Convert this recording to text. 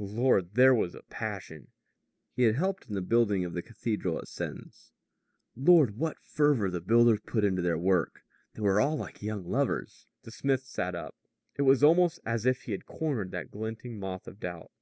Lord, there was a passion! He had helped in the building of the cathedral at Sens. Lord, what fervor the builders put into their work! They were all like young lovers. The smith sat up. It was almost as if he had cornered that glinting moth of doubt.